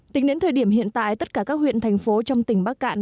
tính đến thời điểm hiện tại tất cả các huyện thành phố trong tỉnh bắc cạn